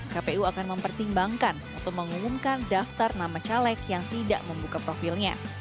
kpu akan mempertimbangkan untuk mengumumkan daftar nama caleg yang tidak membuka profilnya